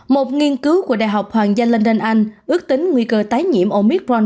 một nghiên cứu của đại học hoàng gia linh anh ước tính nguy cơ tái nhiễm omicron